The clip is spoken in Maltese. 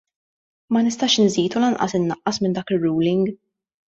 Ma nistax inżid u lanqas innaqqas minn dak ir-ruling.